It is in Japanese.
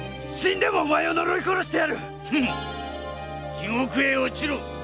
地獄へ堕ちろ！